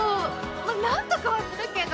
まあ何とかはするけど。